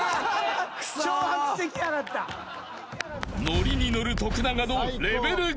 ［ノリに乗る徳永のレベル５］